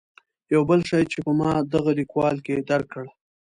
یو بل شی چې ما په دغه لیکوال کې درک کړ.